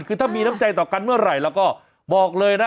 คือถ้ามีน้ำใจต่อกันเมื่อไหร่เราก็บอกเลยนะ